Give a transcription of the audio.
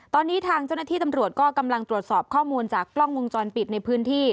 ตอนนี้ทางเจ้าหน้าที่ตำรวจก็กำลังตรวจสอบข้อมูลจากกล้องวงจรปิดในพื้นที่